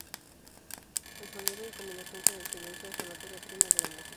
El sonido, en combinación con el silencio, es la materia prima de la música.